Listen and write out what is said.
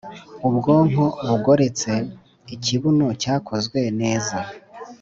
ubwonko bugoretse, ikibuno cyakozwe neza,